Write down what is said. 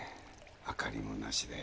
明かりもなしで。